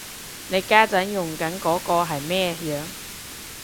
你家陣用緊嗰個係咩樣